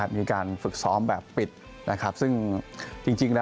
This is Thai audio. มีการฝึกซ้อมแบบบิด